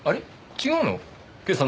違うの？